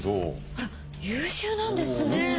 あら優秀なんですね。